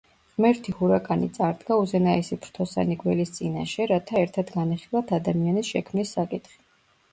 ღმერთი ჰურაკანი წარდგა უზენაესი ფრთოსანი გველის წინაშე, რათა ერთად განეხილათ ადამიანის შექმნის საკითხი.